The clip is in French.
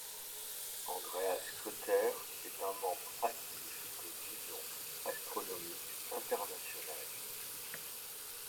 Andreas Kauter est un membre actif de l'Union astronomique internationale.